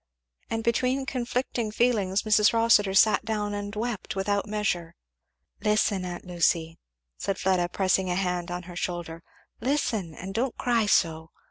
and between conflicting feelings Mrs. Rossitur sat down and wept without measure. "Listen, aunt Lucy," said Fleda, pressing a hand on her shoulder, "listen, and don't cry so!